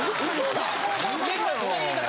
めちゃくちゃいい方。